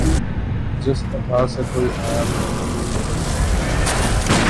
جس ادا سے کوئی آیا تھا کبھی اول شب